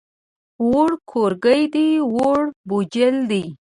ووړ کورګی دی، ووړ بوجل دی.